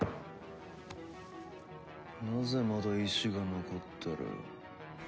なぜまだ意思が残ってる？